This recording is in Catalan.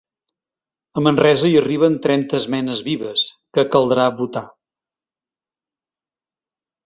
A Manresa hi arriben trenta esmenes vives, que caldrà votar.